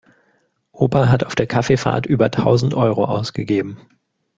Opa hat auf der Kaffeefahrt über tausend Euro ausgegeben.